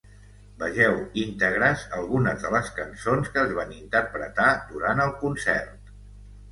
Vegeu íntegres algunes de les cançons que es van interpretar durant el concert.